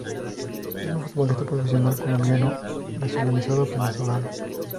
Es un futbolista profesional colombiano, nacionalizado Venezolano.